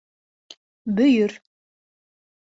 Бөйөр